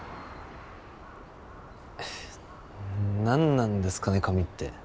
何なんですかね髪って。